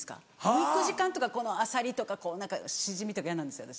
むく時間とかこのアサリとかシジミとか嫌なんですよ私。